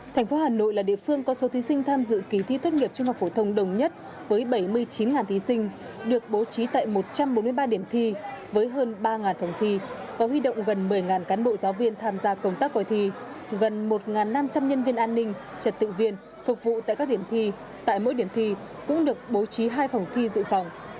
thành phố hà nội là địa phương có số thí sinh tham dự kỳ thi tốt nghiệp trung học phổ thông đồng nhất với bảy mươi chín thí sinh được bố trí tại một trăm bốn mươi ba điểm thi với hơn ba phòng thi có huy động gần một mươi cán bộ giáo viên tham gia công tác gọi thi gần một năm trăm linh nhân viên an ninh trật tự viên phục vụ tại các điểm thi tại mỗi điểm thi cũng được bố trí hai phòng thi dự phòng